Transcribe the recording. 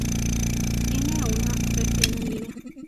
Tiene una versión en línea.